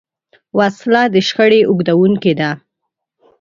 وسله د شخړې اوږدوونکې ده